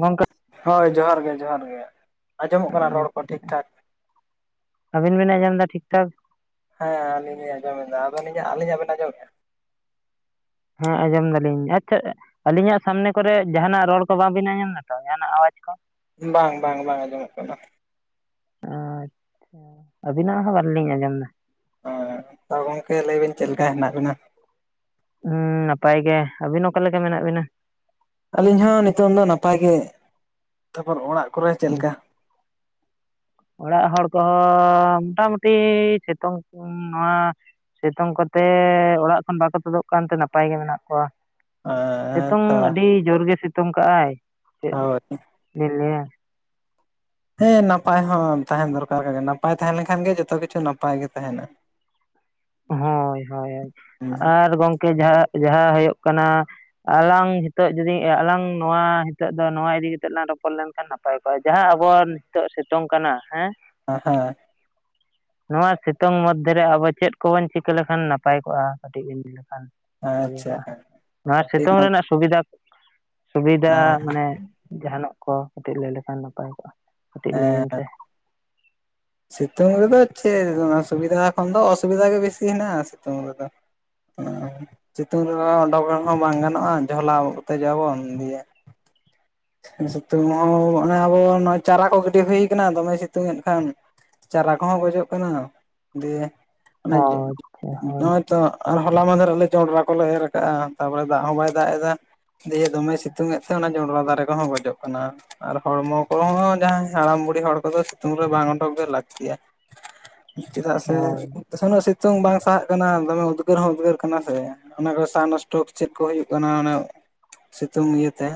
ᱜᱚᱝᱠᱮ ᱦᱳᱭ ᱡᱚᱦᱟᱨ ᱜᱮ ᱡᱚᱦᱟᱨ ᱜᱮ ᱟᱸᱡᱚᱢ ᱚᱜ ᱠᱟᱱᱟ ᱨᱚᱲ ᱠᱚ ᱴᱷᱤᱠ ᱴᱷᱟᱠ ᱟᱵᱤᱱ ᱵᱮᱤᱱ ᱟᱸᱡᱚᱢ ᱫᱟ ᱴᱷᱤᱠ ᱴᱷᱟᱠ ᱦᱮᱸ ᱟᱹᱞᱤᱧ ᱞᱤᱧ ᱟᱸᱡᱚᱢ ᱮᱫᱟ ᱟᱵᱤᱱ ᱤᱧᱟᱜ ᱟᱹᱞᱤᱧ ᱟᱜ ᱵᱤᱱ ᱟᱸᱡᱚᱢ ᱮᱫᱼᱟ ᱦᱮᱸ ᱟᱸᱡᱚᱢ ᱫᱟᱞᱤᱧ ᱟᱪᱪᱷᱟ ᱟᱹᱞᱤᱧ ᱟᱜ ᱥᱟᱢᱱᱮ ᱠᱚᱨᱮ ᱡᱟᱦᱱᱟᱜ ᱨᱚᱲ ᱠᱚ ᱵᱟᱵᱤᱱ ᱟᱸᱡᱚᱢ ᱫᱟᱛᱚ ᱡᱟᱦᱟᱱ ᱟᱜ ᱟᱣᱟᱡ ᱠᱚ ᱵᱟᱝ ᱵᱟᱝ ᱵᱟᱝ ᱟᱸᱡᱚᱢ ᱚᱜ ᱠᱟᱱᱟ ᱟᱸ ᱟᱹᱵᱤᱱᱟᱜ ᱦᱚᱸ ᱵᱟᱞᱤᱧ ᱟᱸᱡᱚᱢ ᱫᱟ ᱦᱳᱭ ᱛᱚ ᱜᱚᱝᱠᱮ ᱞᱟᱹᱭ ᱵᱤᱱ ᱪᱮᱫ ᱞᱮᱠᱟ ᱦᱮᱱᱟᱜ ᱵᱤᱱᱟ ᱦᱮᱸ ᱱᱟᱯᱟᱭ ᱜᱮ ᱟᱹᱵᱤᱱ ᱚᱠᱟᱮ ᱞᱮᱠᱟ ᱢᱮᱱᱟᱜ ᱵᱤᱱᱟ ᱟᱹᱞᱤᱧ ᱦᱚᱸ ᱱᱤᱛᱚᱝ ᱫᱚ ᱱᱟᱯᱟᱭ ᱜᱮ ᱛᱟᱯᱚᱨ ᱚᱲᱟᱜ ᱠᱚᱨᱮ ᱪᱮᱫ ᱞᱮᱠᱟ ᱚᱲᱟᱜ ᱦᱚᱲ ᱠᱚᱦᱚᱸ ᱢᱚᱴᱟᱢᱩᱴᱤ ᱥᱤᱛᱩᱝ ᱱᱚᱣᱟ ᱥᱤᱛᱩᱝ ᱠᱚᱛᱮ ᱚᱲᱟᱜ ᱠᱷᱚᱱ ᱵᱟᱠᱚ ᱛᱩᱫᱚᱜ ᱠᱟᱱᱛᱮ ᱱᱟᱯᱟᱭ ᱜᱮ ᱢᱮᱱᱟᱜ ᱠᱚᱣᱟ ᱦᱮᱸ ᱥᱤᱛᱩᱝ ᱛᱚ ᱟᱹᱰᱤ ᱡᱳᱨ ᱜᱮ ᱥᱤᱛᱩᱝ ᱠᱟᱜᱼ ᱟᱭ ᱪᱮᱫ ᱦᱳᱭ ᱞᱮ ᱞᱟᱹᱭᱟ ᱦᱮᱸ ᱱᱟᱯᱟᱭ ᱦᱚᱸ ᱛᱟᱦᱮᱱ ᱫᱚᱨᱠᱟᱨ ᱠᱟᱱᱟ ᱱᱟᱯᱟᱭ ᱛᱟᱦᱮᱸ ᱞᱮᱱᱠᱷᱟᱱ ᱜᱮ ᱡᱚᱛᱚ ᱠᱤᱪᱷᱩ ᱱᱟᱯᱟᱭ ᱜᱮ ᱛᱟᱦᱮᱱᱟ ᱦᱳᱭ ᱦᱳᱭ ᱦᱳᱭ ᱦᱮᱸ ᱦᱮᱸ ᱟᱨ ᱜᱚᱝᱠᱮ ᱡᱟᱦᱟᱸ ᱡᱟᱦᱟᱸ ᱦᱩᱭᱩᱜ ᱠᱟᱱᱟ ᱟᱞᱟᱝ ᱱᱤᱛᱚᱜ ᱡᱩᱫᱤ ᱟᱞᱟᱝ ᱱᱚᱣᱟ ᱱᱤᱛᱚᱜ ᱫᱚ ᱱᱚᱣᱟ ᱤᱫᱤ ᱠᱟᱛᱮ ᱞᱟᱝ ᱨᱚᱯᱚᱲ ᱞᱮᱱᱠᱷᱟᱱ ᱱᱟᱯᱟᱭ ᱱᱟᱯᱟᱭ ᱠᱚ-ᱟ ᱡᱟᱦᱟᱸ ᱦᱮᱸ ᱦᱮᱸ ᱱᱚᱣᱟ ᱥᱤᱛᱩᱝ ᱢᱚᱫᱫᱷᱮ ᱨᱮ ᱟᱵᱚ ᱪᱮᱫ ᱠᱚᱵᱚᱱ ᱪᱤᱠᱟᱹ ᱞᱮᱠᱷᱟᱱ ᱱᱟᱯᱟᱭ ᱠᱚᱜᱼᱟ ᱠᱟᱹᱴᱤᱡ ᱵᱤᱱ ᱵᱷᱟᱹᱜᱮ ᱠᱚᱜᱼᱟ ᱱᱚᱣᱟ ᱥᱤᱛᱩᱝ ᱨᱮᱱᱟᱜ ᱥᱩᱵᱤᱫᱷᱟ ᱥᱩᱵᱤᱫᱷᱟ ᱢᱟᱱᱮ ᱡᱟᱦᱟᱱᱟᱜ ᱠᱚ ᱠᱟᱹᱴᱤᱡ ᱞᱟᱹᱭ ᱞᱮᱠᱷᱟᱱ ᱱᱟᱯᱟᱭ ᱠᱚᱜᱼᱟ ᱠᱟᱹᱴᱤᱡ ᱞᱟᱹᱭ ᱵᱤᱱ ᱦᱮᱸ ᱥᱮ ᱥᱤᱛᱩᱝ ᱨᱮᱫᱚ ᱥᱮ ᱥᱩᱵᱤᱫᱷᱟ ᱠᱷᱚᱱ ᱫᱚ ᱚ ᱥᱩᱵᱤᱫᱷᱟ ᱜᱮ ᱵᱮᱥᱤ ᱦᱮᱱᱟᱜ-ᱟ ᱥᱤᱛᱩᱢ ᱨᱮ ᱫᱚ ᱥᱤᱛᱩᱝ ᱨᱮᱦᱚᱸ ᱳᱰᱚᱠ ᱦᱚᱸ ᱵᱟᱝ ᱜᱟᱱᱚᱜᱼᱟ ᱡᱷᱚᱞᱟᱣ ᱟᱵᱚᱱ ᱫᱤᱭᱮ [unintelligible] ᱥᱤᱛᱩᱝ ᱦᱚᱸ ᱟᱵᱚ ᱱᱚᱜᱼᱚᱭ ᱪᱟᱨᱟ ᱠᱚ ᱜᱤᱰᱤ ᱦᱩᱭ ᱠᱟᱱᱟ ᱫᱚᱢᱮ ᱥᱤᱛᱩᱝ ᱮᱫ ᱠᱷᱟᱱ ᱪᱟᱨᱟ ᱠᱚᱦᱚᱸ ᱜᱚᱡᱚᱜ ᱠᱟᱱᱟ ᱫᱤᱭᱮ ᱚᱱᱮ ᱦᱳᱭ ᱟᱪᱪᱷᱟ ᱦᱳᱭ ᱱᱚᱜᱼᱚᱭ ᱛᱚ ᱟᱨ ᱦᱚᱞᱟ ᱢᱟᱸᱫᱷᱮᱨ ᱨᱮᱞᱮ ᱡᱚᱸᱰᱨᱟ ᱠᱚᱞᱮ ᱮᱨ ᱠᱟᱜᱼᱟ ᱛᱟᱨ ᱯᱚᱨᱮ ᱫᱟᱜ ᱦᱚᱸ ᱵᱟᱭ ᱫᱟᱜ ᱮᱫᱟ ᱫᱤᱭᱮ ᱫᱚᱢᱮ ᱥᱤᱛᱩᱝ ᱮ ᱛᱟᱦᱮᱸ ᱚᱱᱟ ᱡᱚᱸᱰᱨᱟ ᱫᱟᱨᱮ ᱠᱚᱦᱚᱸ ᱜᱚᱡᱚᱜ ᱠᱟᱱᱟ ᱟᱨ ᱦᱚᱲᱢᱚ ᱠᱚᱦᱚᱸ ᱡᱟᱦᱟᱸᱭ ᱦᱟᱲᱟᱢ ᱵᱩᱲᱦᱤ ᱦᱚᱲ ᱠᱚᱫᱚ ᱥᱤᱛᱩᱝ ᱨᱮ ᱵᱟᱝ ᱩᱰᱩᱠ ᱜᱮ ᱞᱟᱹᱠᱛᱤᱭᱟ ᱪᱮᱫᱟᱜ ᱦᱳᱭ ᱥᱮ ᱱᱟᱥᱮ ᱥᱤᱛᱚᱝ ᱵᱟᱝ ᱥᱟᱦᱟᱜ ᱠᱟᱱᱟ ᱫᱚᱢᱮ ᱩᱫᱽᱜᱟᱹᱨ ᱦᱚᱸ ᱩᱫᱽᱜᱟᱹᱨ ᱠᱟᱱᱟ ᱥᱮ ᱚᱱᱟ ᱠᱚ ᱥᱟᱦ ᱱᱚᱥᱴᱳᱯ ᱪᱮᱫ ᱠᱚ ᱦᱩᱭᱩᱜ ᱠᱟᱱᱟ ᱚᱱᱟ ᱥᱤᱛᱩᱝ ᱤᱭᱟᱹᱛᱮ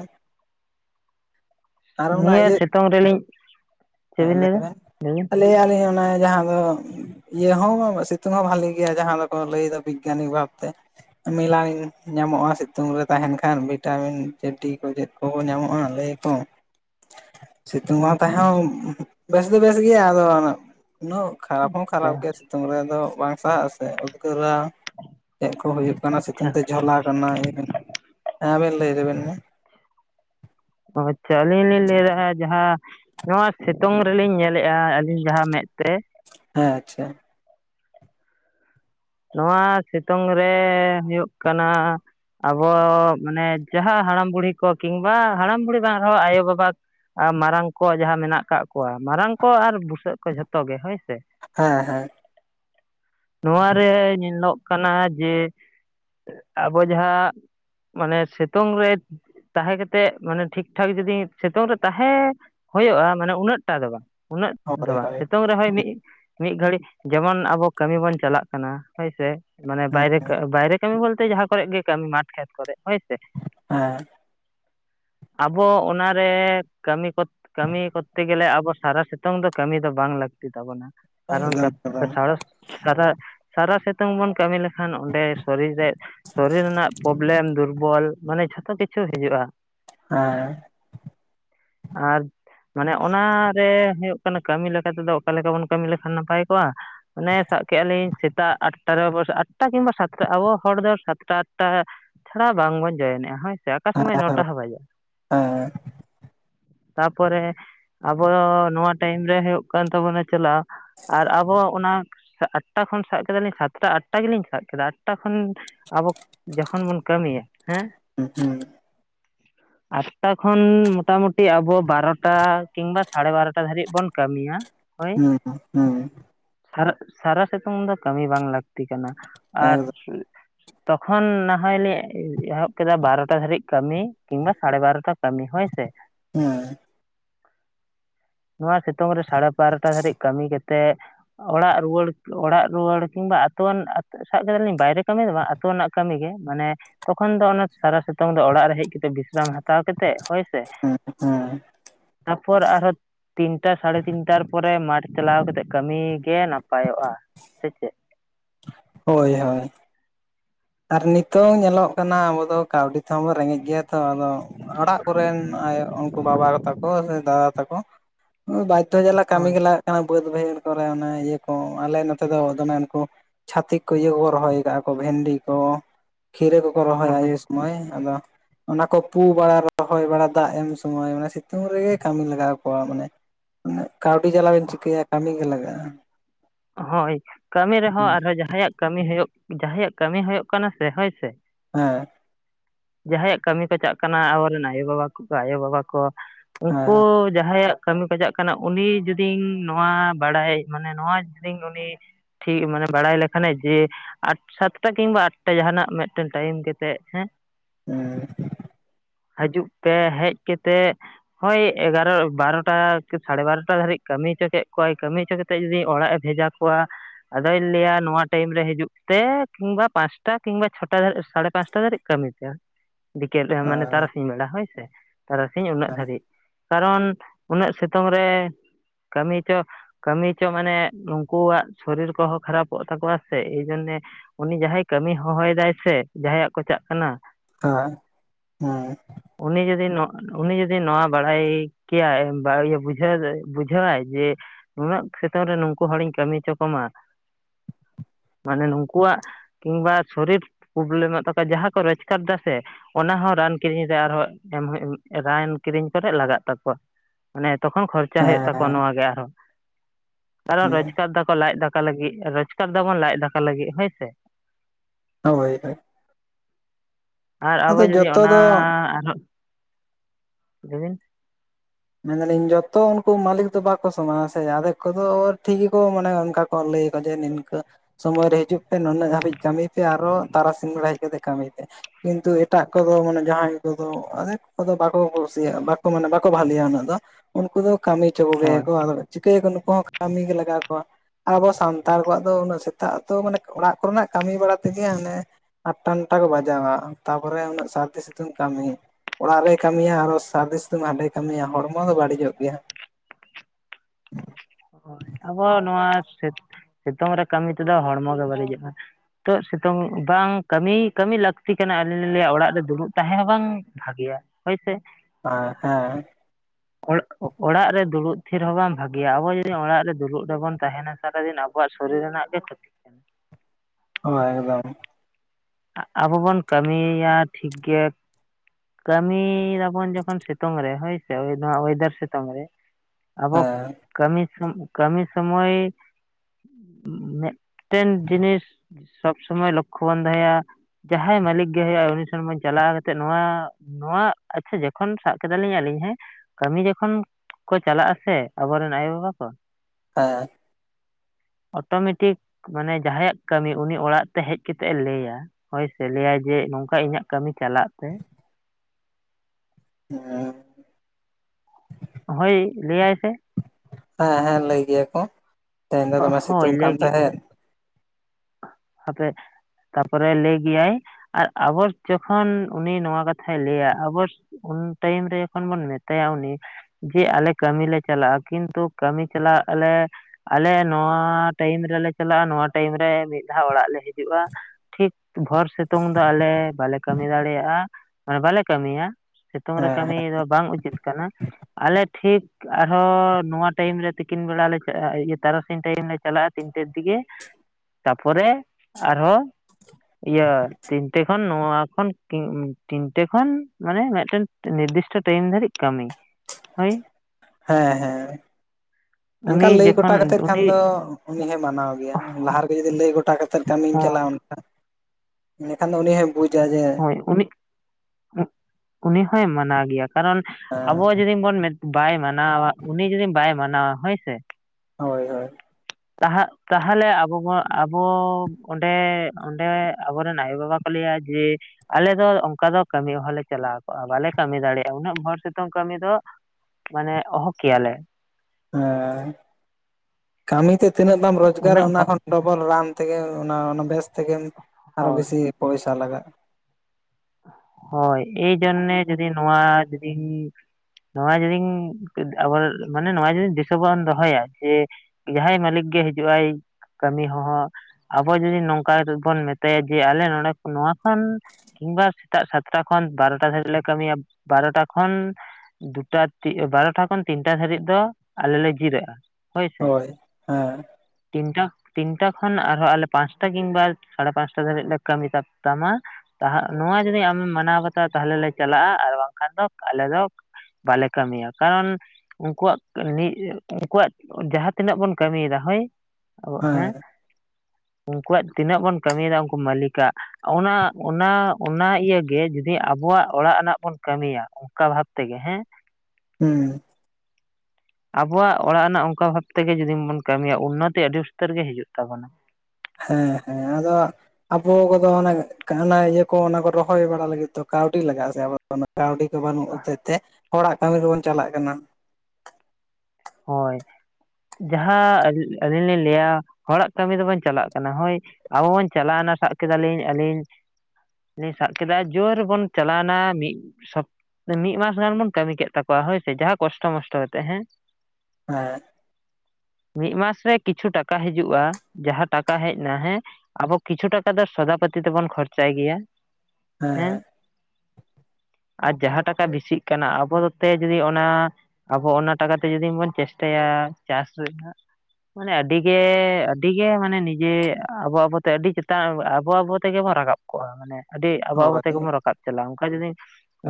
ᱟᱨ ᱚᱱᱟ ᱱᱤᱭᱟᱹ ᱤᱭᱟᱹ ᱥᱤᱛᱩᱝ ᱨᱮᱞᱤᱧ ᱪᱮᱫ ᱵᱤᱱ ᱞᱟᱹᱭ ᱞᱟᱹᱭᱫᱟ ᱵᱮᱱ ᱵᱤᱱ ᱞᱟᱹᱭ ᱮᱜ-ᱟ ᱞᱤᱧ ᱚᱱᱟ ᱡᱟᱦᱟᱸ ᱫᱚ ᱤᱭᱟᱹ ᱦᱚᱸ ᱥᱤᱛᱩᱝ ᱦᱚᱸ ᱵᱷᱟᱞᱤ ᱜᱮᱭᱟ ᱡᱟᱦᱟᱸ ᱫᱚᱠᱚ ᱞᱟᱹᱭᱫᱟ ᱵᱤᱜᱽᱜᱮᱱᱤᱠ ᱵᱷᱟᱵᱛᱮ ᱢᱮᱞᱟ ᱧᱟᱢᱚᱜᱼᱟ ᱥᱤᱛᱩᱝ ᱨᱮ ᱛᱟᱦᱮᱱ ᱠᱷᱟᱱ ᱵᱷᱤᱴᱟᱢᱤᱱ ᱰᱤ ᱠᱚ ᱪᱮᱫ ᱠᱚ ᱧᱟᱢᱚᱜᱼᱟ ᱞᱟᱹᱭ ᱟᱠᱚ ᱥᱤᱛᱩᱝ ᱢᱟ ᱛᱟᱦᱮ ᱟᱪᱪᱷᱟ ᱵᱮᱥ ᱫᱚ ᱵᱮᱥ ᱜᱮᱭᱟ ᱟᱫᱚ ᱩᱱᱟᱹᱜ ᱠᱷᱟᱨᱟᱯ ᱦᱚᱸ ᱟᱪᱪᱷᱟ ᱠᱷᱟᱨᱟᱯ ᱜᱮᱭᱟ ᱥᱤᱛᱩᱝ ᱨᱮ ᱫᱚ ᱵᱟᱝ ᱥᱟᱦᱟᱜ ᱟᱥᱮ ᱟᱹᱨᱟ ᱪᱮᱫ ᱠᱚ ᱦᱩᱭᱩᱜ ᱠᱟᱱᱟ ᱟᱪᱪᱷᱟ ᱥᱤᱛᱩᱝ ᱛᱮ ᱡᱷᱚᱞᱟ ᱠᱟᱱᱟ ᱤᱭᱟᱹ ᱦᱮᱸ ᱟᱵᱤᱱ ᱞᱟᱹᱭ ᱵᱤᱱ ᱦᱮ ᱟᱪᱪᱷᱟ ᱟᱹᱞᱤᱧ ᱞᱤᱧ ᱞᱟᱹᱭᱮᱫᱟ ᱡᱟᱦᱟᱸ ᱱᱚᱣᱟ ᱥᱤᱛᱩᱝ ᱨᱮᱞᱤᱧ ᱧᱮᱞ ᱮᱫᱼᱟ ᱟᱹᱞᱤᱧ ᱡᱟᱦᱟᱸ ᱢᱮᱫ ᱛᱨᱮ ᱦᱮᱸ ᱟᱪᱪᱷᱟ ᱱᱚᱣᱟ ᱥᱤᱛᱩᱝ ᱨᱮ ᱦᱩᱭᱩᱜ ᱠᱟᱱᱟ ᱟᱵᱚ ᱢᱟᱱᱮ ᱡᱟᱦᱟᱸ ᱦᱟᱲᱟᱢ ᱵᱩᱲᱦᱤ ᱠᱚ ᱠᱤᱱᱵᱟ ᱦᱟᱲᱟᱢ ᱵᱩᱲᱦᱤ ᱵᱟᱝ ᱨᱮᱦᱚᱸ ᱟᱭᱳᱼᱵᱟᱵᱟ ᱟᱨ ᱢᱟᱨᱟᱝ ᱠᱚ ᱡᱟᱦᱟᱸ ᱢᱮᱱᱟᱜ ᱠᱟᱜ ᱠᱚᱣᱟ ᱢᱟᱨᱟᱝ ᱠᱚ ᱟᱨ ᱵᱩᱥᱟᱹᱜ ᱠᱚ ᱡᱷᱚᱛᱚ ᱜᱮ ᱦᱳᱭ ᱥᱮ ᱦᱮᱸ ᱦᱮᱸ ᱱᱚᱣᱟᱨᱮ ᱧᱮᱞᱚᱜ ᱠᱟᱱᱟ ᱡᱮ ᱟᱵᱚ ᱡᱟᱦᱟᱸ ᱢᱟᱱᱮ ᱥᱤᱛᱩᱝ ᱨᱮ ᱛᱟᱦᱮᱸ ᱠᱟᱛᱮᱜ ᱢᱟᱱᱮ ᱴᱷᱤᱠ ᱴᱷᱟᱠ ᱡᱩᱫᱤ ᱥᱤᱛᱩᱝ ᱨᱮ ᱛᱟᱦᱮᱸ ᱦᱳᱭᱳᱜᱼᱟ ᱢᱟᱱᱮ ᱩᱱᱟᱹᱜ ᱴᱟ ᱫᱚ ᱵᱟᱝ ᱩᱱᱟᱹᱜ ᱫᱚ ᱦᱳᱭ ᱵᱟᱝ ᱦᱳᱭ ᱥᱤᱛᱩᱝ ᱨᱮᱦᱚᱸᱭ ᱢᱤᱫ ᱢᱤᱫ ᱜᱷᱟᱹᱲᱤᱡ ᱡᱮᱢᱚᱱ ᱟᱵᱚ ᱠᱟᱹᱢᱤ ᱵᱚᱱ ᱪᱟᱞᱟᱜ ᱠᱟᱱᱟ ᱠᱟᱱᱟ ᱦᱳᱭᱥᱮ ᱢᱟᱱᱮ ᱦᱮᱸ ᱵᱟᱭᱨᱮ ᱵᱟᱭᱨᱮ ᱠᱟᱹᱢᱤ ᱵᱚᱞᱛᱮ ᱡᱟᱦᱟᱸ ᱠᱚᱨᱮ ᱜᱮ ᱠᱟᱹᱢᱤ ᱢᱟᱴ ᱠᱷᱮᱛ ᱠᱚᱨᱮ ᱦᱳᱭ ᱦᱮᱸ [inaudible] ᱟᱵᱚ ᱚᱱᱟᱨᱮ ᱠᱟᱹᱢᱤ ᱠᱚ ᱠᱟᱹᱢᱤ ᱠᱚᱨᱛᱮ ᱜᱮᱞᱮ ᱟᱵᱚ ᱥᱟᱨᱟ ᱥᱤᱛᱩᱝ ᱫᱚ ᱠᱟᱹᱢᱤ ᱫᱚ ᱵᱟᱝ ᱞᱟᱹᱠᱟᱜᱼᱟ ᱞᱟᱹᱠᱛᱤ ᱛᱟᱵᱚᱱᱟ ᱮᱠᱫᱚᱢ ᱮᱠᱫᱚᱢ ᱦᱮᱸ ᱠᱟᱨᱚᱱᱟᱨᱟᱨᱟ ᱥᱟᱨᱟ ᱥᱤᱛᱩᱝ ᱵᱚᱱ ᱠᱟᱹᱢᱤ ᱞᱮᱠᱷᱟᱱ [unintelligible] ᱠᱷᱟᱱ ᱚᱸᱰᱮ ᱥᱚᱨᱤᱨ ᱨᱮ ᱥᱚᱨᱤᱨ ᱨᱮᱱᱟᱜ ᱯᱨᱚᱵᱽᱞᱮᱢ ᱫᱩᱨᱠᱟᱨ ᱯᱷᱩᱴᱵᱚᱞ ᱢᱟᱱᱮ ᱡᱷᱚᱛᱚ ᱠᱤᱪᱷᱩ ᱦᱤᱡᱩᱜᱼᱟ ᱦᱮᱸ ᱟᱨ ᱢᱟᱱᱮ ᱚᱱᱟᱨᱮ ᱦᱩᱭᱩᱜ ᱠᱟᱱᱟ ᱠᱟᱹᱢᱤ ᱞᱮᱠᱟ ᱛᱮᱫᱚ ᱚᱠᱟᱞᱮᱠᱟ ᱵᱚᱱ ᱠᱟᱹᱢᱤ ᱞᱮᱠᱷᱟᱱ ᱱᱟᱯᱟᱭ ᱠᱚᱜᱼᱟ ᱢᱟᱱᱮ ᱟᱜ ᱠᱮᱫᱼᱟ ᱞᱤᱧ ᱥᱮᱛᱟᱜ ᱟᱴᱴᱟ ᱨᱮ ᱟᱴᱴᱟ ᱠᱤᱢᱵᱟ ᱥᱟᱛᱴᱟ ᱟᱵᱚ ᱦᱚᱲ ᱫᱚ ᱥᱟᱛᱴᱟ ᱟᱴᱴᱟ ᱪᱷᱟᱲᱟ ᱵᱟᱝ ᱵᱚᱱ ᱡᱚᱭᱮᱱᱮᱜᱼᱟ ᱦᱳᱭᱥᱮ ᱚᱠᱟ ᱥᱚᱢᱚᱭ ᱦᱮᱸ ᱱᱚᱴᱟ ᱵᱟᱡᱟᱜᱼᱟ ᱛᱟᱯᱚᱨᱮ ᱟᱵᱚ ᱱᱚᱣᱟ ᱴᱟᱭᱤᱢ ᱨᱮ ᱦᱩᱭᱩᱜ ᱠᱟᱱ ᱛᱟᱵᱚᱱᱟ ᱪᱟᱞᱟᱣ ᱟᱨ ᱟᱵᱚ ᱚᱱᱟ ᱟᱴᱴᱟ ᱠᱷᱚᱱ ᱥᱟᱵ ᱥᱟᱛᱴᱟ ᱟᱴᱟ ᱜᱮᱞᱤᱧ ᱥᱟᱵ ᱠᱮᱫᱟ ᱟᱴᱴᱟ ᱠᱷᱚᱱ ᱟᱵᱚ ᱡᱚᱠᱷᱚᱱ ᱵᱚᱱ ᱠᱟᱹᱢᱤᱭᱟ ᱦᱮᱸ ᱦᱮᱸ ᱦᱮᱸ [inaudible] [inaudible] ᱟᱴᱴᱟ ᱠᱷᱚᱱ ᱢᱚᱴᱟᱢᱩᱴᱤ ᱟᱵᱚ ᱵᱟᱨᱚᱴᱟ ᱠᱤᱝᱵᱟ ᱥᱟᱲᱮ ᱵᱟᱨᱚᱴᱟ ᱫᱷᱵᱤᱡ ᱵᱚᱱ ᱠᱟᱹᱢᱤᱭᱟ ᱦᱮᱸ ᱦᱮᱸ [unintelligible] ᱟᱨᱟ ᱥᱟᱨᱟ ᱥᱤᱛᱩᱝ ᱫᱚ ᱠᱟᱹᱢᱤ ᱵᱟᱝ ᱞᱟᱹᱠᱛᱤ ᱠᱟᱱᱟ ᱟᱨ ᱛᱚᱠᱷᱚᱱ ᱱᱟᱦᱚᱭ ᱞᱮ ᱮᱦᱚᱵ ᱠᱮᱫᱟ ᱵᱟᱨᱚᱴᱟ ᱫᱷᱵᱤᱡ ᱠᱟᱹᱢᱤ ᱠᱤᱵᱟ ᱥᱟᱲᱮ ᱵᱟᱨᱚᱚᱴᱟ ᱠᱟᱹᱢᱤ ᱦᱳᱭ ᱥᱮ ᱦᱩᱸ ᱱᱚᱣᱟ ᱥᱤᱛᱩᱝ ᱨᱮ ᱥᱟᱲᱮ ᱯᱟᱨᱚᱴᱟ ᱫᱷᱟᱹᱨᱤᱡ ᱠᱟᱹᱢᱤ ᱠᱟᱛᱮᱮᱫ ᱚᱲᱟᱜ ᱨᱩᱣᱟᱹᱲ ᱚᱲᱟᱜ ᱨᱩᱣᱟᱹᱲ ᱠᱤᱵᱟ ᱟᱛ ᱥᱟᱵ ᱠᱮᱫᱟᱞᱤᱧ ᱵᱟᱭᱨᱮ ᱠᱟᱹᱢᱤᱮᱫ ᱵᱟᱝ ᱟᱛᱳ ᱨᱮᱱᱟᱜ ᱠᱟᱹᱢᱤᱜ ᱜᱮ ᱢᱟᱱᱮ ᱛᱚᱠᱷᱚᱱ ᱫᱚ ᱥᱟᱨᱟ ᱥᱤᱛᱝ ᱫᱚ ᱚᱲᱟᱜ ᱨᱮ ᱦᱮᱡ ᱠᱟᱛᱮ ᱵᱤᱥᱨᱟᱢ ᱦᱟᱛᱟᱣ ᱠᱟᱛᱮᱮᱫ ᱦᱳᱭ ᱥᱮ ᱦᱩᱸ ᱦᱩᱸ ᱛᱟᱯᱚᱨ ᱟᱨᱦᱚ ᱛᱤᱱᱴᱟ ᱥᱟᱲᱮ ᱛᱤᱱᱴᱟᱨ ᱯᱚᱨ ᱪᱟᱞᱟᱣ ᱠᱟᱛᱮ ᱠᱟᱹᱢᱤ ᱜᱮ ᱱᱟᱯᱟᱭᱚᱜᱼᱟ ᱥᱮ ᱪᱮᱫ ᱦᱳᱭ ᱦᱳᱭ ᱟᱨ ᱱᱤᱛᱳ ᱧᱮᱞᱚᱜ ᱠᱟᱱᱟ ᱟᱵᱚ ᱫᱚ ᱠᱟᱹᱣᱰᱤ ᱱᱤᱛ ᱦᱚᱸ ᱫᱚ ᱨᱮᱸᱜᱮᱡ ᱜᱮᱭᱟ ᱛᱚ ᱟᱫᱚ ᱚᱲᱟᱜ ᱠᱚᱨᱮᱱ ᱩᱱᱠᱩ ᱵᱟᱵᱟ ᱛᱟᱠᱚ ᱥᱮ ᱫᱟᱫᱟ ᱛᱟᱠᱚ ᱵᱟᱫᱽᱫᱷᱚ ᱡᱟᱞᱟ ᱠᱟᱹᱢᱤ ᱦᱳᱭ ᱜᱮ ᱞᱟᱜᱟᱜ ᱠᱟᱱᱟ ᱵᱟᱹᱫᱽ ᱵᱟᱹᱭᱷᱟᱹᱲ ᱠᱚᱨᱮ ᱤᱭᱟᱹ ᱠᱚ ᱟᱞᱮ ᱱᱚᱛᱮ ᱫᱚ ᱫᱚᱢᱮ ᱩᱱᱠᱩ ᱪᱷᱟᱛᱤᱠ ᱠᱚ ᱤᱭᱟᱹ ᱠᱚ ᱨᱚᱦᱚᱭ ᱟᱠᱟᱟᱜᱼᱟ ᱠᱚ ᱵᱷᱮᱱᱰᱤ ᱛᱚ ᱠᱷᱤᱨᱟᱹ ᱠᱚᱠᱚ ᱨᱚᱦᱚᱭᱟ ᱦᱳᱭ ᱤᱭᱟᱹ ᱥᱩᱢᱚᱭ ᱟᱫᱚ ᱚᱱᱟ ᱠᱚ ᱯᱩ ᱵᱟᱲᱟ ᱨᱚᱦᱚᱭ ᱵᱟᱲᱟ ᱫᱟᱜ ᱮᱢ ᱥᱚᱢᱚᱭ ᱢᱮ ᱥᱤᱛᱩᱝ ᱨᱮᱜᱮ ᱠᱟᱹᱢᱤ ᱞᱟᱜᱟᱣ ᱠᱚᱣᱟ ᱢᱟᱱᱮ ᱠᱟᱹᱣᱰᱤ ᱡᱟᱞᱟ ᱵᱮᱱ ᱪᱤᱠᱟᱹᱭᱟ ᱠᱟᱹᱢᱤ ᱜᱮ ᱞᱟᱜᱟᱜᱼᱟ ᱦᱳᱭ ᱠᱟᱹᱢᱤ ᱨᱮᱦᱚᱸ ᱦᱮᱸ ᱟᱨᱦᱚᱸ ᱡᱟᱦᱟᱸᱭᱟᱜ ᱠᱟᱹᱢᱤ ᱦᱩᱭᱩᱜ ᱡᱟᱦᱟᱸᱭᱟᱜ ᱠᱟᱹᱢᱤ ᱦᱩᱭᱩᱜ ᱠᱟᱱᱟ ᱥᱮ ᱦᱳᱭ ᱥᱮ ᱦᱮᱸ ᱡᱟᱦᱟᱸᱭᱟᱜ ᱠᱟᱹᱢᱤ ᱠᱚ ᱪᱟᱜ ᱠᱟᱱᱟ ᱟᱵᱚᱨᱮᱱ ᱟᱭᱳᱼᱵᱟᱵᱟ ᱠᱚ ᱟᱭᱳᱼᱵᱟᱵᱟ ᱠᱚ ᱩᱱᱠᱩ ᱡᱟᱦᱟᱸᱭᱟᱜ ᱠᱟᱹᱢᱤ ᱠᱚ ᱪᱟᱜ ᱠᱟᱱᱟ᱾ ᱩᱱᱤ ᱡᱩᱫᱤᱧ ᱱᱚᱣᱟ ᱵᱟᱲᱟᱭ ᱢᱟᱱᱮ ᱱᱚᱣᱟ ᱧ ᱩᱱᱤ ᱴᱷᱤᱠ ᱢᱟᱱᱮ ᱵᱟᱲᱟᱭ ᱞᱮᱠᱷᱟᱱᱮ ᱡᱮ ᱟᱴ-ᱥᱟᱛᱴᱟ ᱠᱤᱢᱵᱟ ᱟᱴᱴᱟ ᱡᱟᱦᱟᱱᱟᱜ ᱢᱤᱫᱴᱮᱱ ᱴᱟᱭᱤᱢ ᱠᱟᱛᱮ ᱦᱮᱸ ᱦᱚ ᱦᱤᱡᱩᱜ ᱯᱮ ᱦᱮᱡ ᱠᱟᱛᱮ ᱮᱫ ᱦᱳᱭ ᱮᱜᱟᱨᱚ ᱵᱟᱨᱚᱴᱟ ᱥᱟᱲᱮ ᱵᱟᱨᱚᱴᱟ ᱫᱷᱟᱹᱨᱤᱡ ᱠᱟᱹᱢᱤ ᱦᱚᱪᱚ ᱠᱮᱫ ᱠᱚᱣᱟᱭ ᱠᱟᱹᱢᱤ ᱦᱚᱪᱚᱛ ᱡᱩᱫᱤ ᱚᱲᱟᱜ ᱮ ᱵᱷᱮᱡᱟ ᱠᱚᱣᱟ, ᱟᱫᱚᱭ ᱞᱟᱹᱭᱟ ᱱᱚᱣᱟ ᱴᱟᱭᱤᱢ ᱨᱮ ᱦᱤᱡᱩᱜ ᱛᱮ ᱠᱤᱵᱟ ᱯᱟᱸᱪᱴᱟ ᱠᱤᱝᱵᱟ ᱪᱷᱚᱴᱟ ᱥᱟᱲᱮ ᱯᱟᱸᱪᱴᱟ ᱫᱟᱹᱨᱤᱡ ᱠᱟᱹᱢᱤ ᱠᱟᱹᱢᱤ ᱯᱮ ᱰᱤᱠᱮᱫ ᱢᱟᱱᱮ ᱛᱟᱨᱟᱥᱤᱧ ᱵᱮᱲᱟ ᱦᱳᱭ ᱥᱮ ᱛᱟᱨᱟᱥᱤᱧ ᱩᱱᱟᱹᱜ ᱫᱷᱟᱹᱨᱤᱡ᱾ ᱠᱟᱨᱚᱱ ᱩᱱᱟᱹᱜ ᱥᱤᱛᱩᱝ ᱨᱮ ᱠᱟᱹᱢᱤ ᱪᱚ ᱠᱟᱹᱢᱤ ᱪᱚ ᱢᱟᱱᱮ ᱩᱱᱠᱩᱣᱟᱜ ᱥᱚᱨᱤᱨ ᱠᱚᱦᱚᱸ ᱠᱷᱟᱨᱟᱯᱚᱜ ᱛᱟᱠᱚᱣᱟ ᱥᱮ ᱮᱭᱡᱚᱱᱱᱮ ᱩᱱᱤ ᱡᱟᱦᱟᱸᱭ ᱠᱟᱹᱟᱢ ᱦᱚᱦᱚᱭᱮᱫᱟᱭ ᱥᱮ ᱡᱟᱦᱟᱸᱭᱟᱜ ᱠᱚ ᱪᱟᱜ ᱠᱟᱱᱟ! ᱦᱮᱸ ᱦᱮᱸ ᱩᱱᱤ ᱡᱩᱫᱤ ᱱᱚ ᱩᱱᱤ ᱡᱩᱫᱤ ᱱᱚᱣᱟ ᱵᱟᱲᱟᱭ ᱠᱮᱭᱟᱭ ᱵᱟ ᱵᱩᱡᱷᱟᱹᱣᱟᱭ ᱡᱮ ᱱᱩᱱᱟᱹᱜ ᱥᱤᱛᱩᱝ ᱨᱮ ᱱᱩᱠᱩ ᱦᱚᱲᱤᱧ ᱠᱟᱹᱢᱤ ᱦᱚᱪᱚ ᱠᱚᱢᱟ᱾ ᱢᱟᱱᱮ ᱱᱩᱠᱩᱣᱟᱜ ᱠᱤᱢᱵᱟ ᱥᱚᱨᱤᱨ ᱯᱨᱚᱵᱞᱮᱢᱚᱜ ᱛᱟᱠᱚᱣᱟ ᱡᱟᱦᱟᱸ ᱠᱚ ᱨᱳᱡᱽᱜᱟᱨ ᱮᱫᱟ ᱥᱮ ᱚᱱᱟ ᱦᱚᱸ ᱨᱟᱱ ᱠᱤᱨᱤᱧ ᱨᱮ ᱟᱨᱦᱚᱸ ᱮᱢ ᱨᱟᱱ ᱠᱤᱨᱤᱧ ᱠᱚᱨᱮ ᱞᱟᱜᱟᱜ ᱛᱟᱠᱚᱣᱟ ᱢᱟᱱᱮ ᱛᱚᱠᱷᱚᱱ ᱠᱷᱚᱨᱪᱟ ᱦᱩᱭᱩᱜ ᱛᱟᱠᱚᱣᱟ ᱦᱮᱸ ᱱᱚᱣᱟ ᱜᱮ ᱟᱨᱦᱚᱸ ᱠᱟᱨᱚᱱ ᱦᱮᱸ ᱨᱳᱡᱜᱟᱨ ᱫᱟᱠᱚ ᱞᱟᱡ ᱫᱟᱠᱟ ᱞᱟᱹᱜᱤᱫ ᱨᱳᱡᱽᱜᱟᱨ ᱫᱟᱵᱚᱱ ᱞᱟᱡ ᱫᱟᱠᱟ ᱞᱟᱹᱜᱤᱫ ᱦᱳᱭᱥᱮ ᱦᱳᱭᱳᱭ᱾ ᱟᱨ ᱟᱵᱚ ᱡᱩᱫᱤ ᱚᱱᱟ ᱫᱚ ᱟᱨᱦᱚᱸ ᱟᱹᱵᱤᱱ ᱢᱮᱱᱫᱟᱞᱤᱧ ᱡᱚᱛᱚ ᱩᱱᱠᱩ ᱢᱟᱹᱞᱤᱠ ᱫᱚ ᱵᱟᱠᱚ ᱥᱚᱢᱟᱱᱟ ᱥᱮ ᱟᱫᱷᱮᱠ ᱠᱚᱫᱚ ᱴᱷᱤᱠ ᱜᱮᱠᱚ ᱢᱟᱱᱮ ᱚᱱᱠᱟ ᱠᱚ ᱞᱟᱹᱭ ᱞᱟᱹᱭ ᱡᱮ ᱱᱤᱝᱠᱟᱹ ᱥᱚᱢᱚᱭ ᱨᱮ ᱦᱤᱡᱩᱜ ᱯᱮ ᱱᱩᱱᱟᱹᱜ ᱦᱟᱹᱵᱤᱡ ᱠᱟᱹᱢᱤ ᱯᱮ ᱟᱨᱚ ᱛᱟᱨᱟᱥᱤᱧ ᱵᱮᱲᱟ ᱦᱚ ᱠᱟᱛᱮ ᱠᱟᱹᱢᱤ ᱯᱮ ᱠᱤᱱᱛᱩ ᱮᱴᱟᱜ ᱠᱚᱫᱚ ᱢᱟᱱᱮ ᱡᱟᱦᱟᱸᱭ ᱠᱚᱫᱚᱮᱠ ᱠᱚᱫᱚ ᱵᱟᱠᱚ ᱠᱩᱥᱤᱭᱟᱜᱼᱟ᱾ ᱵᱟᱠᱚ ᱢᱟᱱᱮ ᱵᱟᱠᱚ ᱵᱷᱟᱞᱮᱤᱭᱟ ᱩᱱᱟᱹᱜ ᱫᱚ ᱩᱱᱠᱩ ᱫᱚ ᱠᱟᱹᱢᱤ ᱦᱚᱪᱚ ᱦᱳᱭ ᱠᱚᱜᱮᱭᱟᱠᱚ ᱟᱫᱚ ᱪᱤᱠᱟᱹᱭᱟᱠᱚ ᱱᱩᱠᱩ ᱦᱚᱸ ᱠᱟᱹᱢᱤ ᱜᱮ ᱞᱟᱜᱟᱣ ᱠᱚᱣᱟ᱾ ᱟᱨ ᱟᱵᱚ ᱥᱟᱱᱛᱟᱲ ᱠᱚᱣᱟᱜ ᱫᱚ ᱩᱱᱟᱹᱜ ᱥᱮᱛᱟᱜᱛᱚ ᱢᱟᱱᱮ ᱚᱲᱟᱜ ᱠᱚᱨᱮᱱᱟᱜ ᱠᱟᱹᱢᱤ ᱵᱟᱲᱟ ᱛᱮᱜᱮ ᱦᱟᱱᱮ ᱟᱴᱟ-ᱱᱚᱟ ᱟᱴᱟ ᱠᱚ ᱵᱟᱡᱟᱣᱟ ᱛᱟᱯᱚᱨᱮ ᱩᱱᱟᱹᱜ ᱥᱟᱹᱨᱫᱤ ᱥᱤᱛᱩᱝ ᱠᱟᱹᱢᱤ ᱚᱲᱟᱜ ᱨᱮ ᱠᱟᱹᱢᱤᱭᱟ ᱟᱨᱚ ᱥᱟᱨᱫᱤ ᱦᱟᱱᱰᱮ ᱠᱟᱹᱢᱤᱭᱟ ᱦᱚᱲᱢᱚ ᱫᱚ ᱵᱟᱹᱲᱤᱡᱚᱜ ᱜᱮᱭᱟ᱾ ᱦᱳ ᱟᱵᱚ ᱱᱚᱣᱟ ᱥᱤᱛᱩᱝ ᱨᱮ ᱠᱟᱹᱢᱤ ᱛᱮᱫᱚ ᱦᱚᱲᱢᱚ ᱜᱮ ᱵᱟᱹᱲᱤᱡᱚᱜᱼᱟ᱾ ᱱᱤᱛᱚᱜ ᱥᱤᱛᱩᱝ ᱵᱟᱝ ᱠᱟᱹᱢᱤ ᱠᱟᱹᱢᱤ ᱞᱟᱹᱠᱛᱤ ᱠᱟᱱᱟ ᱟᱹᱞᱤᱧ ᱞᱤᱧ ᱞᱟᱹᱭᱟ ᱚᱲᱟᱜ ᱨᱮ ᱫᱩᱲᱩᱵ ᱛᱟᱦᱮᱸ ᱦᱚᱸ ᱵᱟᱝ ᱵᱷᱟᱜᱮᱭᱟ᱾ ᱦᱚᱭ ᱥᱮ ᱦᱮ ᱦᱮᱸ ᱚᱲᱟᱜ ᱨᱮ ᱫᱩᱲᱩᱵ ᱛᱷᱤᱨ ᱦᱚᱸ ᱵᱟᱝ ᱵᱷᱟᱜᱮᱭᱟ ᱟᱵᱚ ᱡᱩᱫᱤ ᱚᱲᱟᱜ ᱨᱮ ᱫᱩᱲᱩᱵ ᱨᱮᱵᱚᱱ ᱛᱟᱦᱮᱸᱱᱟ ᱥᱟᱨᱟᱫᱤᱱ ᱟᱵᱚᱣᱟᱜ ᱥᱚᱨᱤᱨ ᱨᱮᱱᱟᱜ ᱜᱮ ᱠᱷᱚᱛᱤᱠ ᱠᱟᱱᱟ᱾ ᱦᱚᱭ ᱮᱠᱫᱚᱢ ᱟᱵᱚ ᱵᱚᱱ ᱠᱟᱹᱢᱤᱭᱟ ᱴᱷᱤᱠ ᱜᱮ ᱠᱟᱹᱢ ᱫᱟᱵᱚᱱ ᱡᱚᱠᱷᱚᱱ ᱥᱤᱛᱩᱝ ᱨᱮ ᱦᱳᱭ ᱥᱮ ᱚᱭᱮᱫᱟᱨ ᱥᱤᱛᱩᱝ ᱨᱮ ᱟᱵᱚ ᱦᱮᱸ ᱠᱟᱹᱢᱤ ᱠᱟᱹᱢᱤ ᱥᱚᱢᱚᱭ ᱢᱮᱫᱽ ᱢᱤᱫ ᱴᱮᱱ ᱡᱤᱱᱤᱥ ᱥᱚᱵᱽ ᱥᱚᱢᱚᱭ ᱞᱚᱠᱠᱷᱚ ᱵᱚᱱ ᱫᱚᱦᱚᱭᱟ ᱡᱟᱦᱟᱸᱭ ᱢᱟᱞᱤᱠ ᱜᱮ ᱦ ᱦᱩᱭᱩᱜᱳᱜᱼᱟ᱾ ᱩᱱᱤ ᱥᱚᱢᱚᱭ ᱪᱟᱞᱟᱣ ᱠᱟᱛᱮᱜ ᱱᱚᱣᱟ ᱱᱚᱣᱟ ᱟᱪᱪᱷᱟ ᱡᱚᱠᱷᱚᱱ ᱥᱟᱵ ᱠᱮᱫᱟᱞᱤᱧ ᱟᱹᱞᱤᱧ ᱦᱮᱸ ᱠᱟᱹᱢᱤ ᱡᱚᱠᱷᱚᱱ ᱠᱚ ᱪᱟᱞᱟᱜ ᱟ ᱥᱮᱮ ᱟᱵᱚᱨᱮᱱ ᱟᱭᱳ ᱵᱟᱵᱟ ᱠᱚ ᱦᱮᱸ [inaudible] ᱚᱴᱳᱢᱮᱴᱤᱠ ᱢᱟᱱᱮ ᱡᱟᱦᱟᱸᱭᱟᱜ ᱠᱟᱹᱢᱤ ᱩᱱᱤ ᱚᱲᱟᱜ ᱛᱮ ᱦᱮᱡ ᱠᱟᱛᱮᱜ ᱮ ᱞᱟᱹᱭᱟ ᱦᱚᱳᱭᱥ ᱞᱟᱹᱟᱭ ᱡᱮ ᱱᱚᱝᱠᱟ ᱤᱧᱟᱹᱜ ᱠᱟᱹᱢᱤ ᱪᱟᱞᱟᱜ ᱛᱮ ᱦᱮᱸ ᱦᱳᱭ ᱞᱟᱹᱭᱟᱭ ᱥᱮ ᱦᱮᱸ ᱦᱮᱸ ᱞᱟᱹᱭ ᱜᱮᱭᱟᱠᱚ ᱛᱮᱦᱮᱧ ᱫᱚ ᱫᱚᱢᱮ ᱥᱤᱛᱩᱝ ᱠᱟᱱ ᱛᱟᱦᱮᱸᱫ ᱦᱟᱯᱮ ᱾ ᱛᱟᱯᱚᱨᱮ ᱞᱟᱹᱭ ᱜᱮᱭᱟᱭ ᱟᱨ ᱟᱵᱚ ᱡᱚᱠᱷᱚᱱ ᱩᱱᱤ ᱱᱚᱣᱟ ᱠᱟᱛᱷᱟᱭ ᱞᱟᱹᱭᱟ ᱟᱵᱚ ᱾ ᱴᱟᱭᱤᱢ ᱨᱮ ᱡᱚᱠᱷᱚᱱ ᱵᱚᱱ ᱢᱮᱛᱟᱭᱟ ᱩᱱᱤ ᱡᱮ ᱟᱞᱮ ᱠᱟᱹᱢᱤ ᱞᱮᱮ ᱪᱟᱞᱟᱜᱼᱟ ᱠᱤᱱᱛᱩ ᱠᱟᱹᱢᱤ ᱪᱟᱞᱟᱜ ᱾ ᱟᱞᱮ ᱱᱚᱣᱟ ᱴᱟᱭᱤᱢ ᱨᱮᱞᱮ ᱪᱟᱞᱟᱜᱼᱟ ᱱᱚᱣᱟ ᱴᱟᱭᱤᱢ ᱨᱮ ᱢᱤᱫ ᱫᱷᱟᱣ ᱚᱲᱟᱜ ᱞᱮ ᱦᱤᱡᱩᱜᱼᱟ ᱴᱷᱤᱠ ᱵᱷᱳᱨ ᱥᱤᱛᱩᱝ ᱫᱚ ᱟᱞᱮ ᱵᱟᱞᱮ ᱠᱟᱹᱢᱤ ᱫᱟᱲᱮᱭᱟᱜᱼᱟ ᱢᱟᱱᱮ ᱵᱟᱞᱮ ᱠᱟᱹᱢᱤᱭᱟ ᱾ ᱥᱤᱛᱩᱝ ᱨᱮ ᱠᱟᱹᱢᱤ ᱦᱮᱸ ᱫᱚ ᱵᱟᱝ ᱩᱪᱤᱛ ᱠᱟᱱᱟ ᱟᱞᱮ ᱴᱷᱤᱠ ᱟᱨᱦᱚᱸ ᱱᱚᱣᱟ ᱴᱟᱭᱤᱢ ᱨᱮ ᱛᱤᱠᱤᱱ ᱵᱮᱲᱟ ᱛᱟᱨᱟᱥᱤᱧ ᱴᱟᱭᱤᱢ ᱞᱮ ᱪᱟᱞᱟᱜᱼᱟ ᱛᱤᱱᱴᱟᱹ ᱛᱮᱜᱮ ᱾ ᱛᱟᱨᱯᱚᱨᱮ ᱟᱨᱦᱚᱸ ᱤᱭᱟᱹ ᱛᱤᱱᱴᱮ ᱠᱷᱚᱱ ᱱᱚᱣᱟ ᱠᱷᱚᱱ ᱛᱤᱱᱴᱮ ᱠᱷᱚᱱ ᱢᱟᱱᱮ ᱢᱤᱫᱴᱮᱱ ᱫᱤᱥᱴᱟ ᱴᱟᱭᱤᱢ ᱫᱷᱟᱹᱨᱤᱡ ᱠᱟᱹᱢᱤ ᱾ ᱦᱮᱸ ᱦᱮᱸ ᱚᱱᱠᱟ ᱩᱱᱤ ᱞᱟᱹᱭ ᱜᱚᱴᱟ ᱡᱚᱠᱷᱚᱱ ᱠᱟᱛᱮ ᱠᱷᱟᱱ ᱩᱱᱤ ᱫᱚ ᱩᱱᱤ ᱦᱚᱸ ᱢᱟᱱᱟᱣ ᱜᱮᱭᱟ ᱞᱟᱦᱟ ᱨᱮᱜᱮ ᱡᱩᱫᱤ ᱞᱟᱹᱭ ᱜᱚᱴᱟ ᱾ ᱠᱟᱹᱢᱤᱧ ᱦᱚᱸ ᱪᱟᱞᱟᱣ ᱱᱟᱦ ᱤᱱᱟᱠᱷᱟᱱ ᱫᱚ ᱩᱱᱤ ᱦᱚᱸ ᱦᱳᱭ ᱩᱱᱤ ᱩᱱᱤ ᱦᱚᱸᱭ ᱢᱟᱱᱟᱣ ᱜᱮ ᱠᱟᱨᱚᱱ ᱦᱮᱸ ᱟᱵᱚ ᱡᱩᱫᱤᱢ ᱵᱚᱱ ᱵᱟᱭ ᱢᱟᱱᱟᱣᱟ ᱩᱱᱤ ᱡᱩᱫᱤᱢ ᱵᱟᱭ ᱢᱟᱱᱟᱣᱟ ᱦᱳᱭ ᱥᱮ ᱦᱳᱭ ᱦᱳᱭ ᱛᱟ ᱛᱟᱦᱚᱞᱮ ᱟᱵᱚ ᱵᱚᱱ ᱟᱵᱚ ᱚᱸᱰᱮ ᱚᱸᱰᱮ ᱟᱵᱚᱨᱮᱱ ᱟᱭᱳᱼᱵᱟᱵᱟ ᱠᱚ ᱞᱟᱹᱭᱟ ᱡᱮ ᱟᱞᱮ ᱫᱚ ᱚᱱᱠᱟ ᱫᱚ ᱠᱟᱹᱢᱤ ᱦᱚᱲᱚᱨ ᱦᱮᱸ ᱡᱷᱤ ᱟᱞᱮ ᱫᱚ ᱚᱱᱠᱟᱱ ᱫᱚ ᱠᱟ. ᱡᱤ ᱦᱚᱞᱮ ᱪᱟᱞᱟᱣ ᱠᱚᱜᱼᱟ ᱵᱟᱞᱮ ᱠᱟᱹᱢᱤ ᱫᱟᱲᱮᱭᱟᱜᱼᱟ ᱩᱱᱟᱹᱜ ᱵᱚᱨ ᱥᱤᱛᱩᱝ ᱠᱟᱹᱢᱤ ᱫᱚ ᱾ ᱢᱟᱱᱮ ᱚᱦᱚ ᱠᱮᱭᱟ ᱞᱮ ᱾ ᱦᱮᱸ ᱠᱟᱹᱢᱤ ᱛᱮ ᱛᱤᱱᱟᱹᱜ ᱵᱟᱢ ᱨᱚᱡᱽᱜᱟᱨᱟ ᱩᱱᱟᱹᱜ ᱚᱱᱟ ᱵᱷᱚ ᱠᱷᱚᱱ ᱰᱚᱵᱚᱞ ᱨᱟᱱ ᱛᱮᱜᱮ ᱚᱱᱟ ᱛᱮᱜᱮ ᱟᱨᱚ ᱦᱳᱭ ᱵᱮᱥᱤ ᱯᱚᱭᱥᱟ ᱞᱟᱜᱟᱜ ᱾ ᱦᱳᱭ ᱮᱭᱡᱚᱱᱱᱮ ᱡᱩᱫᱤ ᱱᱚᱣᱟ ᱡᱩᱫᱤ ᱱᱚᱣᱟ ᱡᱩᱫᱤ ᱟᱵᱟᱨ ᱢᱟᱱᱮ ᱱᱚᱣᱟ ᱡᱩᱫᱤ ᱫᱤᱥᱟᱹ ᱵᱚᱱ ᱫᱚᱦᱚᱭᱟ ᱡᱮ ᱡᱟᱦᱟᱸᱭ ᱢᱟᱞᱤᱠ ᱜᱮ ᱦᱤᱡᱩᱜᱼ ᱟᱭ ᱾ ᱠᱟᱹᱢᱤ ᱦᱚᱸᱦᱚᱸ ᱟᱵᱚ ᱡᱩᱫᱤ ᱱᱚᱝᱠᱟ ᱵᱚᱱ ᱢᱮᱛᱟᱭᱟ ᱡᱮ ᱟᱞᱮ ᱱᱚᱰᱮ ᱱᱚᱣᱟ ᱠᱷᱚᱱ ᱾ ᱠᱤᱝᱵᱟ ᱥᱮᱛᱟᱜ ᱥᱟᱛᱴᱟ ᱠᱷᱚᱱ ᱵᱟᱨᱚᱴᱟ ᱫᱷᱵᱤᱡ ᱞᱮ ᱠᱟᱹᱢᱤᱭᱟ ᱵᱟᱨᱚᱴᱟ ᱠᱷᱚᱱ ᱫᱩᱴᱟ ᱵᱟᱨᱚᱴᱟ ᱠᱷᱚᱱ ᱛᱤᱱᱴᱟ ᱫᱷᱟᱹᱨᱤᱡ ᱫᱚ ᱟᱞᱮ ᱞᱮ ᱡᱤᱨᱟᱹᱜᱼᱟ ᱾ ᱦᱚᱭ ᱥᱮ ᱦᱳᱭ ᱦᱮᱸ ᱛᱤᱱᱴᱟ ᱛᱤᱱᱴᱟ ᱠᱷᱚᱱ ᱟᱨᱦᱚᱸ ᱟᱞᱮ ᱯᱟᱸᱪᱴᱟ ᱠᱤᱢᱵᱟ ᱥᱟᱲᱮ ᱯᱟᱸᱪᱴᱟ ᱫᱷᱵᱤᱡ ᱞᱮ ᱠᱟᱹᱢᱤ ᱛᱟᱢᱟ ᱾ ᱛᱟᱦ ᱱᱚᱣᱟ ᱡᱩᱫᱤ ᱟᱢᱮᱢ ᱢᱟᱱᱟᱣ ᱵᱟᱛᱟ ᱛᱟᱦᱚᱞᱮᱮ ᱪᱟᱞᱟᱜᱼᱟ ᱟᱨ ᱵᱟᱝᱠᱷᱟᱱ ᱫᱚ ᱟᱞᱮ ᱫᱚ ᱾ ᱵᱟᱞᱮ ᱠᱟᱹᱢᱤᱭᱟ ᱠᱟᱨᱚᱱ ᱩᱱᱠᱩᱣᱟᱜ ᱩᱱᱠᱩᱣᱟᱜ ᱡᱟᱦᱟᱸ ᱛᱤᱱᱟᱹᱜ ᱵᱚᱱ ᱠᱟᱹᱢᱤᱭᱮᱫᱟ ᱦᱳᱭ ᱟᱵᱚ ᱦᱮᱸ ᱩᱱᱠᱩᱣᱟᱜ ᱛᱤᱱᱟᱹᱜ ᱵᱚᱱ ᱠᱟᱹᱢᱤᱭᱮᱫᱟ ᱩᱱᱠᱩ ᱢᱟᱹᱟᱞᱤᱠᱟᱜ ᱚᱱᱟ ᱚᱱᱟ ᱚᱱᱟ ᱤᱭᱮ ᱜᱮ ᱡᱩᱫᱤ ᱟᱵᱚᱣᱟᱜ ᱚᱲᱟᱜ ᱨᱮᱱᱟᱜ ᱵᱚᱱ ᱠᱟᱹᱢᱤᱭᱟ ᱚᱱᱠᱟ ᱵᱷᱟᱵ ᱛᱮᱜᱮ ᱦᱮᱸ ᱦᱮᱸ ᱟᱵᱚᱣᱟᱜ ᱚᱲᱟᱜ ᱨᱮᱱᱟᱜ ᱚᱱᱠᱟ ᱵᱷᱟᱵ ᱛᱮᱜᱮ ᱡᱩᱫᱤᱢ ᱵᱚᱱ ᱠᱟᱹᱢᱤᱭᱟ ᱩᱱᱚᱛᱤ ᱟᱹᱰᱤ ᱩᱛᱟᱹᱨ ᱜᱮ ᱦᱤᱡᱩᱜ ᱛᱟᱵᱚᱱᱟ ᱾ ᱦᱮᱸ ᱦᱮᱸ ᱟᱫᱚ ᱟᱵᱚ ᱠᱚᱫᱚ ᱚᱱ ᱠᱟᱦᱱᱟ ᱤᱭᱟᱹ ᱠᱚ ᱚᱱᱟ ᱠᱚ ᱨᱚᱦᱚᱭ ᱵᱟᱲᱟ ᱞᱟᱹᱜᱤᱫ ᱫᱚ ᱠᱟᱹᱣᱴᱤ ᱞᱟᱜ ᱟᱥᱮ ᱟᱵᱚ ᱫᱚ ᱠᱟᱹᱣᱰᱤ ᱠᱚ ᱵᱟᱹᱱᱩᱜ ᱦᱚᱛᱮᱫ ᱛᱮ ᱦᱚᱲᱟᱜ ᱠᱟᱹᱢᱤ ᱫᱚᱵᱚᱱ ᱪᱟᱞᱟᱜ ᱠᱟᱱᱟ ᱾ ᱦᱳᱭ ᱾ ᱡᱟᱦᱟᱸ ᱟᱹᱞᱤᱧ ᱞᱤᱧ ᱞᱟᱹᱭᱟ ᱦᱚᱲᱟᱜ ᱠᱟᱹᱢᱤ ᱫᱚᱵᱚᱱ ᱪᱟᱞᱟᱜ ᱠᱟᱱᱟ ᱦᱳᱭ ᱟᱵᱚ ᱵᱚᱱ ᱪᱟᱞᱣᱱᱟ ᱥᱟᱵ ᱠᱮᱫᱟᱞᱤᱧ ᱟᱹᱞᱤᱧ ᱥᱟᱵ ᱠᱮᱫᱟ ᱡᱳᱨ ᱨᱮᱵᱚᱱ ᱪᱟᱞᱟᱣᱱᱟ ᱢᱤᱫ ᱥᱚᱯ ᱾ ᱢᱤᱫ ᱢᱟᱥ ᱜᱟᱱ ᱵᱚᱱ ᱠᱟᱹᱢᱤ ᱠᱮᱫ ᱛᱟᱠᱚᱣᱟ ᱦᱳᱭᱥᱮ ᱡᱟᱦᱟᱸ ᱠᱚᱥᱴᱚ ᱢᱚᱥᱴᱚ ᱠᱟᱛᱮᱜ ᱦᱮᱸ ᱦᱮᱸ ᱢᱤᱫ ᱢᱟᱥ ᱨᱮ ᱠᱤᱪᱷᱩ ᱴᱟᱠᱟ ᱦᱤᱡᱩᱜᱼᱟ ᱡᱟᱦᱟᱸ ᱴᱟᱠᱟ ᱦᱮᱡ ᱮᱱᱟ ᱦᱮᱸ ᱟᱵᱚ ᱠᱤᱪᱷᱩ ᱴᱟᱠᱟ ᱫᱚ ᱥᱚᱫᱟ ᱯᱟᱹᱛᱤ ᱛᱮᱵᱚᱱ ᱠᱷᱚᱨᱪᱟᱭ ᱜᱮᱭᱟ᱾ ᱦᱮᱸ ᱦᱮᱸ ᱟᱨ ᱡᱟᱦᱟᱸ ᱴᱟᱠᱟ ᱵᱮᱥᱤᱜ ᱠᱟᱱᱟ ᱟᱵᱚ ᱛᱮ ᱡᱩᱫᱤ ᱚᱱᱟ ᱟᱵᱚ ᱚᱱᱟ ᱴᱟᱠᱟ ᱡᱩᱫᱤ ᱵᱚᱱ ᱪᱮᱥᱴᱟᱭᱟ ᱪᱟᱥ ᱨᱮᱱᱟᱜ ᱢᱟᱱᱮ ᱟᱹᱰᱤ ᱜᱮ ᱟᱹᱰᱤ ᱜᱮ ᱢᱟᱱᱮ ᱱᱤᱡᱮ ᱟᱵᱚ ᱟᱵᱚᱛᱮ ᱟᱹᱰᱤ ᱪᱮᱛᱟᱱ ᱟᱵᱚ ᱟᱵᱚ ᱛᱮᱜᱮ ᱵᱚᱱ ᱨᱟᱠᱟᱵ ᱠᱚᱜᱼᱟ ᱢᱟᱱᱮ ᱟᱹᱰᱤ ᱟᱵᱚ ᱦᱳᱭ ᱛᱮᱜᱮᱵᱚᱱ ᱨᱟᱠᱟᱵ ᱪᱟᱞᱟᱜᱼᱟ ᱚᱱᱠᱟ ᱡᱩᱫᱤ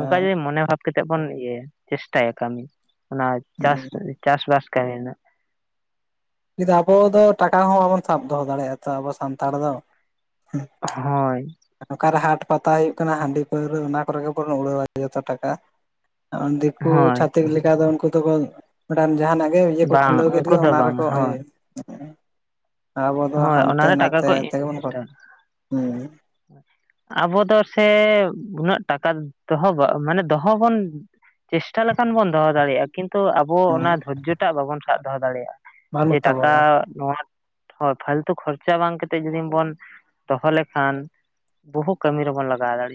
ᱚᱱᱠᱟ ᱡᱩᱫᱤ ᱢᱚᱱᱮ ᱵᱷᱟᱵ ᱠᱟᱛᱮ ᱵᱚᱱ ᱤᱭᱟᱹᱭᱟ ᱪᱮᱥᱴᱟᱭᱟ ᱠᱟᱹᱢᱤ ᱚᱱᱟ ᱪᱟᱥ ᱪᱟᱥᱵᱟᱥ ᱛᱟᱦᱮᱸᱱᱟ ᱟᱵᱚ ᱫᱚ ᱴᱟᱠᱟ ᱦᱚᱸ ᱵᱟᱵᱚᱱ ᱥᱟᱵ ᱫᱚᱦᱚ ᱫᱟᱲᱮᱭᱟᱜᱼᱟ ᱛᱚ ᱟᱵᱚ ᱥᱟᱱᱛᱟᱲ ᱫᱚ᱾ ᱦᱳᱭ ᱚᱠᱟᱨᱮ ᱦᱟᱴ ᱯᱟᱛᱟ ᱦᱩᱭᱩᱜ ᱠᱟᱱᱟ ᱦᱟᱺᱰᱤ ᱯᱟᱹᱣᱨᱟᱹ ᱚᱱᱟ ᱠᱚᱨᱮ ᱜᱮᱵᱚᱱ ᱩᱲᱟᱹᱣᱟ ᱡᱚᱛᱚ ᱴᱟᱠᱟ᱾ ᱫᱤᱠᱩ ᱦᱳᱭ ᱪᱷᱟᱹᱛᱤᱠ ᱞᱮᱠᱟ ᱫᱚ ᱩᱱᱠᱩ ᱫᱚᱠᱚ ᱡᱟᱦᱟᱱᱟᱜ ᱜᱮ ᱤᱭᱟᱹ ᱠᱚ ᱵᱟᱝ ᱠᱷᱩᱞᱟᱹᱣ ᱠᱮᱫ ᱩᱱᱠᱩ ᱜᱮ ᱫᱚ ᱚᱱᱟ ᱵᱟᱝ ᱨᱮᱠᱚ ᱦᱳᱭ ᱤᱭᱟᱹ [unintelligible] ᱟᱵᱚ ᱫᱚ ᱦᱳᱭ ᱦᱟᱱᱛᱮ ᱚᱱᱟᱨᱮ ᱴᱟᱠᱟ ᱱᱟᱛᱮ ᱠᱚ ᱛᱮᱜᱮ ᱵᱚᱱ ᱦᱩᱸ ᱤᱱᱵᱷᱮᱥᱴᱼᱟ᱾ ᱟᱵᱚ ᱫᱚ ᱥᱮ ᱩᱱᱟᱹᱜ ᱴᱟᱠᱟ ᱫᱚᱦᱚ ᱢᱟᱱᱮ ᱫᱚᱦᱚ ᱵᱚᱱ ᱪᱮᱥᱴᱟ ᱞᱮᱠᱷᱟᱱ ᱵᱚᱱ ᱫᱚᱦᱚ ᱫᱟᱲᱮᱭᱟᱜᱼᱟ ᱠᱤᱱᱛᱩ ᱛᱚ ᱟᱵᱚ ᱦᱩᱸ ᱚᱱᱟ ᱫᱷᱳᱨᱡᱚ ᱴᱟᱜ ᱵᱟᱵᱚᱱ ᱥᱟᱵ ᱫᱚᱦᱚ ᱫᱟᱲᱮᱭᱟᱜᱼᱟ ᱡᱮ ᱴᱟᱠᱟ ᱱᱚᱣᱟ ᱦᱳᱭ ᱯᱷᱟᱞᱛᱩ ᱠᱷᱚᱨᱪᱟ ᱵᱟᱝ ᱠᱟᱛᱮ ᱡᱚᱫᱤ ᱵᱚᱱ ᱫᱚᱦᱚ ᱞᱮᱠᱷᱟᱱ, ᱵᱚᱦᱩ ᱠᱟᱹᱢᱤ ᱨᱮᱵᱚᱱ ᱞᱟᱜᱟᱣ ᱫᱟᱲᱮᱜ